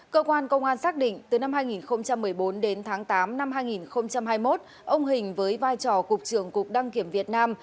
cơ quan công an xác định từ năm hai nghìn một mươi bốn đến tháng tám năm hai nghìn hai mươi một ông hình với vai trò cục trưởng cục đăng kiểm việt nam